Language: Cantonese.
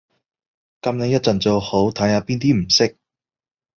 噉你一陣做好，睇下邊啲唔識